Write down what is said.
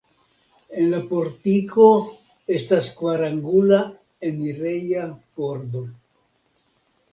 En la portiko estas kvarangula enireja pordo.